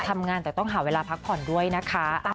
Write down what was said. ทำงานแต่ต้องหาเวลาพักผ่อนด้วยนะคะ